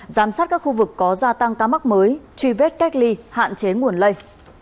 giám sát các khu vực có gia tăng ca mắc mới truy vết cách ly hạn chế nguồn lây